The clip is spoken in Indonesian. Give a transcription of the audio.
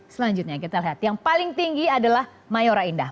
selanjutnya kita lihat yang paling tinggi adalah mayora indah